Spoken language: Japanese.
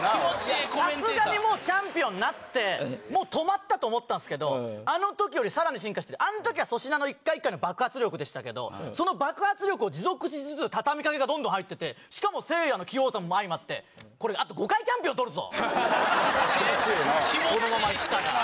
さすがにもうチャンピオンなって、もう止まったと思ったんですけど、あのときよりさらに進化して、あんときは粗品の一回一回の爆発力でしたけど、その爆発力を持続しつつ、畳みかけがどんどん入ってて、しかもせいやの様さも相まって、これ、あと５回チャンピオン取るぞ。